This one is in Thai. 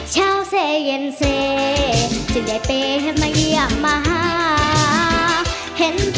ชาวเศษเย็นเศษจะใหญ่เป้ให้มาเยี่ยมมาห่า